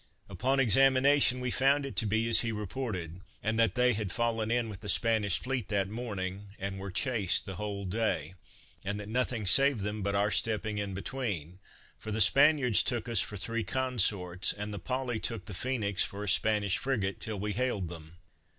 Upon examination we found it to be as he reported, and that they had fallen in with the Spanish fleet that morning, and were chased the whole day, and that nothing saved them but our stepping in between; for the Spaniards took us for three consorts, and the Polly took the Phoenix for a Spanish frigate, till we hailed them.